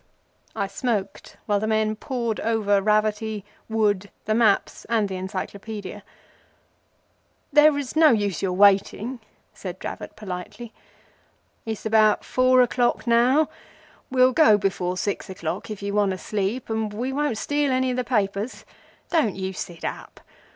I smoked while the men pored over Raverty, Wood, the maps and the Encyclopædia. "There is no use your waiting," said Dravot, politely. "It's about four o'clock now. We'll go before six o'clock if you want to sleep, and we won't steal any of the papers. Don't you sit up.